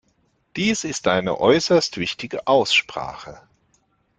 Dies ist eine äußerst wichtige Aussprache.